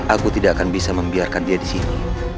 aku tidak akan bisa membiarkan dia disini